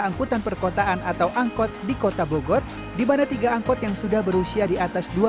angkutan perkotaan atau angkot di kota bogor dimana tiga angkot yang sudah berusia di atas